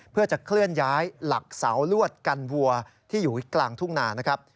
เพื่อจะเคลื่อนย้ายหลักเสาลวดกันวัวที่อยู่กลางทุ่งนานะครับ